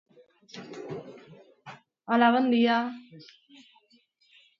El primer afirma que no pot explicar alguna cosa al segon?